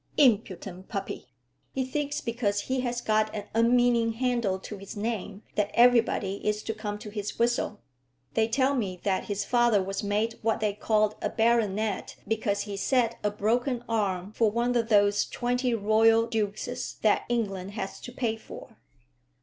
"Impudent puppy! He thinks because he has got an unmeaning handle to his name, that everybody is to come to his whistle. They tell me that his father was made what they call a baronet because he set a broken arm for one of those twenty royal dukes that England has to pay for."